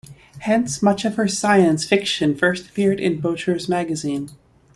Hence much of her science fiction first appeared in Boucher's magazine.